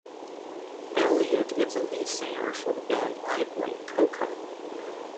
Eliot is the lead singer for the band I Blame Coco.